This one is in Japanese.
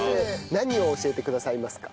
何を教えてくださいますか？